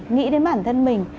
nghĩ đến bản thân mình